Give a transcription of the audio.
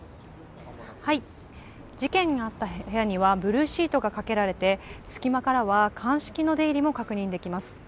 事件があった部屋にはブルーシートがかけられて、隙間からは鑑識の出入りも確認できます。